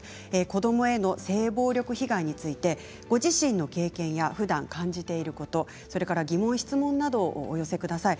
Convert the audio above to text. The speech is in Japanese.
子どもへの性暴力被害についてご自身の経験やふだん感じていることそれから疑問、質問などをお寄せください。